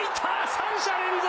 ３者連続。